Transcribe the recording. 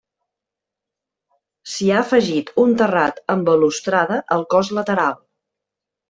S'hi ha afegit un terrat amb balustrada al cos lateral.